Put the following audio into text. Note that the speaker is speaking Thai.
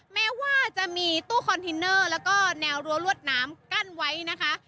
แม้ว่าจะมีตู้คอนเทนเนอร์แล้วก็แนวรั้วรวดน้ำกั้นไว้นะคะ